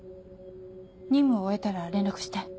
任務を終えたら連絡して。